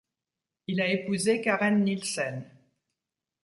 Il a épousé Karen Nielsen.